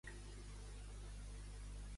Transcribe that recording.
I qui havia denunciat a Rivera?